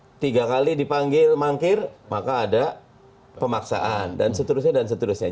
kalau tiga kali dipanggil mangkir maka ada pemaksaan dan seterusnya dan seterusnya